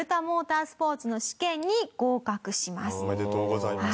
おお！おめでとうございます。